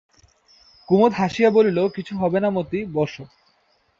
কুমুদ হাসিয়া বলিল, কিছু হবে না মতি, বোসো।